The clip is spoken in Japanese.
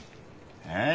え？